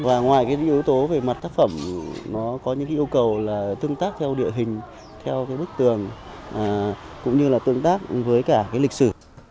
và ngoài yếu tố về mặt tác phẩm nó có những yêu cầu tương tác theo địa hình theo bức tường cũng như tương tác với lịch sử